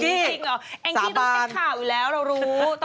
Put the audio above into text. จริงเหรอแองจี้บอกเป็นข่าวอยู่แล้วเรารู้